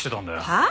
はあ？